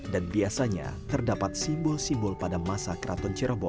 biasanya terdapat simbol simbol pada masa keraton cirebon